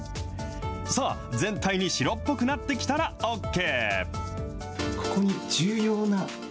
さあ、全体に白っぽくなってきたらＯＫ。